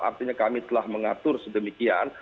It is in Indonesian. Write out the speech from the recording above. artinya kami telah mengatur sedemikian